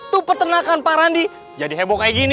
tuh peternakan pak randi jadi heboh kayak gini